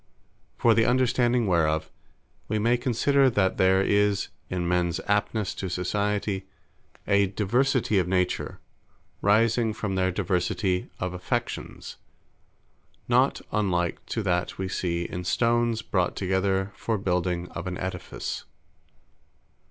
For the understanding whereof, we may consider, that there is in mens aptnesse to Society; a diversity of Nature, rising from their diversity of Affections; not unlike to that we see in stones brought together for building of an Aedifice.